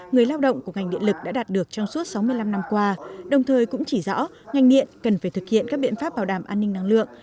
người lao động của ngành điện lực đã đạt được trong suốt sáu mươi năm năm qua đồng thời cũng chỉ rõ ngành điện cần phải thực hiện các biện pháp bảo đảm an ninh năng lượng